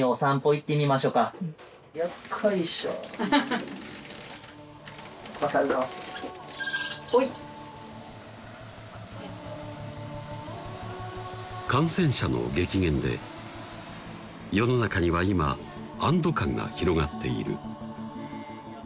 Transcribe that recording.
よっこいしょ感染者の激減で世の中には今安ど感が広がっている